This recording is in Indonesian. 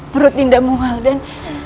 perut dinda mual dan